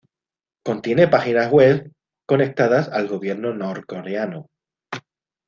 Contiene páginas web conectadas al gobierno norcoreano.